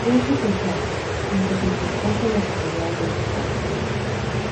Fue sepultado, junto con su esposa en la catedral de Upsala.